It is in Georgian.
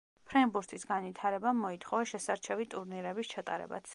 ფრენბურთის განვითარებამ მოითხოვა შესარჩევი ტურნირების ჩატარებაც.